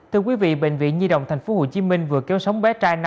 thưa quý vị bệnh viện nhi động tp hcm vừa kéo sóng bé trai